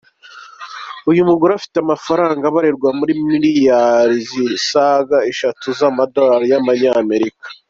Uyu mugore afite amafaranga abarirwa muri miliyari zisaga eshatu z’amadorali ya Amerika.